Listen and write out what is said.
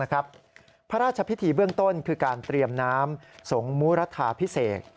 พระราชพิธีเบื้องต้นคือการเตรียมน้ำสงมุรทาพิเศษ